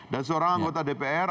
dan seorang anggota dpr